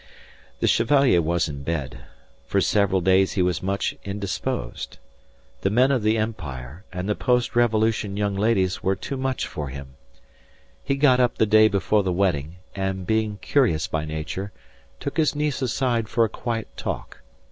The Chevalier was in bed. For several days he was much indisposed. The men of the empire, and the post revolution young ladies, were too much for him. He got up the day before the wedding, and being curious by nature, took his niece aside for a quiet talk.